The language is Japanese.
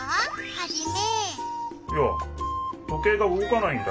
ハジメ。